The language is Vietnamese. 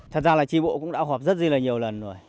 thật ra là tri bộ cũng đã họp rất là nhiều lần rồi